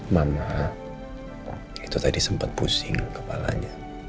mama itu tadi sempat pusing kepalanya